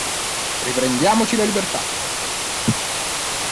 Riprendiamoci la libertà!